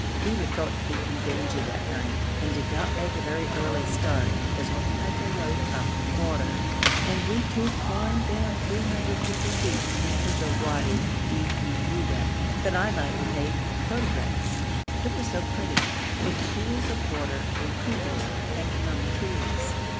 We were thought to be in danger that night, and did not make a very early start, as we had to load up water; and we two climbed down 350 feet into the Wadi Ghiuda, that I might take photographs. It was so pretty, with pools of water and creepers hanging on the trees.